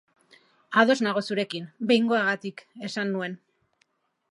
Ados nago zurekin, behingoagatik, esan nuen.